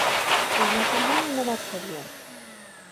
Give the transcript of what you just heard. El matrimonio no marchó bien.